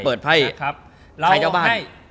เราให้